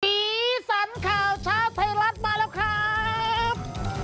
สีสันข่าวเช้าไทยรัฐมาแล้วครับ